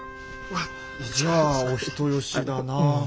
じゃあお人よしだな。